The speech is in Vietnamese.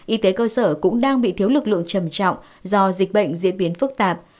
y tế cơ sở cũng đang bị thiếu lực lượng trầm trọng do dịch bệnh diễn biến phức tạp